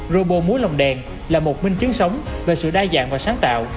robot lồng đèn là một minh chứng sống về sự đa dạng và sáng tạo